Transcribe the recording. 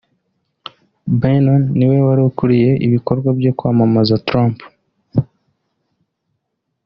Bannon niwe wari ukuriye ibikorwa byo kwamamaza Trump